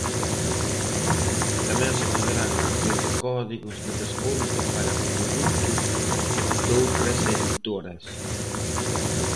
Tamén se poderán obter códigos de desconto para produtos doutras editoras.